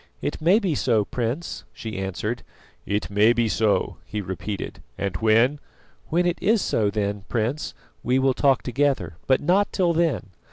"It may be so, Prince," she answered. "It may be so," he repeated, "and when " "When it is so, then, Prince, we will talk together, but not till then.